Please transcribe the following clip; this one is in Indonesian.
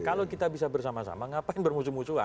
kalau kita bisa bersama sama ngapain bermusuhan musuhan